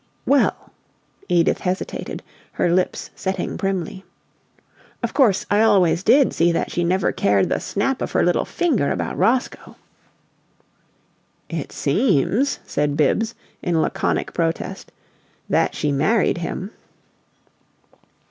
"Well " Edith hesitated, her lips setting primly. "Of course, I always did see that she never cared the snap of her little finger about ROSCOE!" "It seems," said Bibbs, in laconic protest, "that she married him."